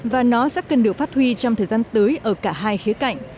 và nó sẽ cần được phát huy trong thời gian tới ở cả hai khía cạnh